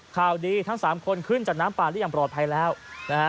ข่าวดีทั้งสามคนขึ้นจากน้ำป่าได้อย่างปลอดภัยแล้วนะฮะ